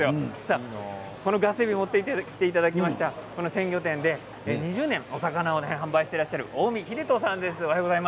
このガスエビ持ってきていただきました鮮魚店で２０年お魚を販売してらっしゃる近江英人さんです。